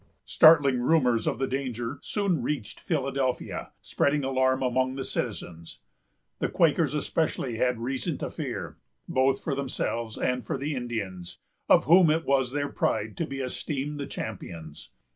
Startling rumors of the danger soon reached Philadelphia, spreading alarm among the citizens. The Quakers, especially, had reason to fear, both for themselves and for the Indians, of whom it was their pride to be esteemed the champions.